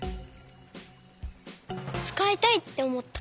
つかいたいっておもったから。